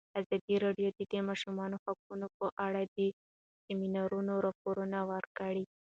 ازادي راډیو د د ماشومانو حقونه په اړه د سیمینارونو راپورونه ورکړي.